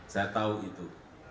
saya tahu itu